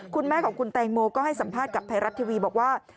คุณแม่ของคุณแตงโมก็ให้สัมภาษณ์กับไทยรัฐทีวีบอกว่า